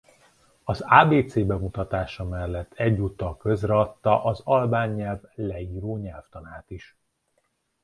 Az ábécé bemutatása mellett egyúttal közreadta az albán nyelv leíró nyelvtanát is.